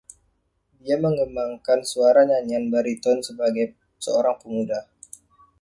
Dia mengembangkan suara nyanyian bariton sebagai seorang pemuda.